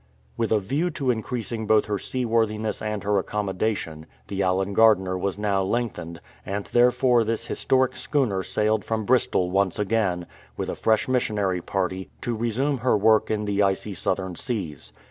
"" With a view to increasing both her seaworthiness and her accommodation, the Allen Gardiner was now length ened, and thereafter this historic schooner sailed from Bristol once again, with a fresh missionary party, to resume her work in the icy Southern seas.